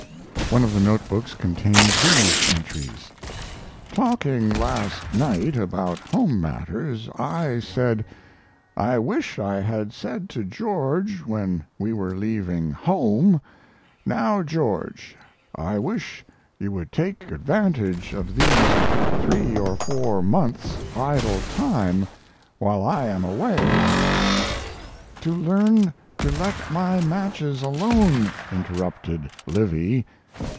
One of the note books contains these entries: Talking last night about home matters, I said, "I wish I had said to George when we were leaving home, 'Now, George, I wish you would take advantage of these three or four months' idle time while I am away '" "To learn to let my matches alone," interrupted Livy.